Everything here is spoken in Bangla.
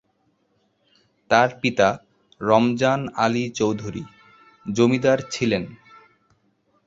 তার পিতা রমজান আলী চৌধুরী জমিদার ছিলেন।